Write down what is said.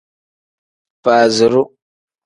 Faaziru.